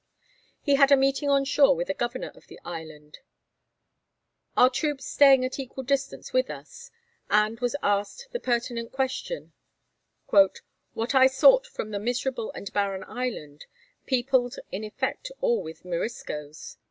He had a meeting on shore with the governor of the island, 'our troops staying at equal distance with us,' and was asked the pertinent question, 'what I sought for from that miserable and barren island, peopled in effect all with Moriscos.'